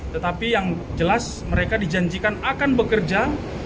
tetapi yang jelas mereka dijanjikan akan bekerja